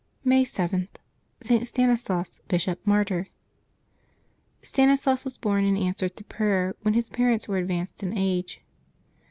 May 7.— ST. STANISLAS, Bishop, Martyr. [tanislas was born in answer to prayer when his par ents were advanced in age.